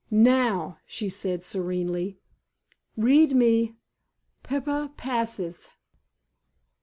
"Now," she said serenely, "read me 'Pippa Passes.'"